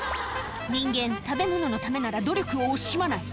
人間、食べ物のためなら努力を惜しまない。